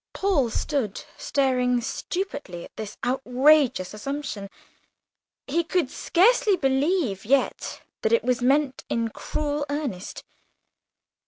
Paul stood staring stupidly at this outrageous assumption; he could scarcely believe yet that it was meant in cruel earnest.